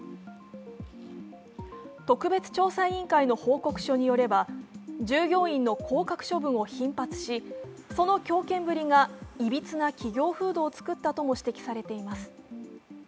特別調査委員会の報告書によれば従業員の降格処分を頻発し、その強権ぶりがいびつな企業風土をつくったとも指摘されています。